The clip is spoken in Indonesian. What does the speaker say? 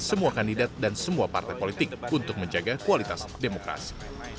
semua kandidat dan semua partai politik untuk menjaga kualitas demokrasi